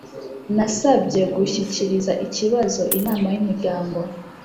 nasabye gushyikiriza ikibazo inama y'umuryango